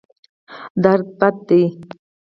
درد بد دی.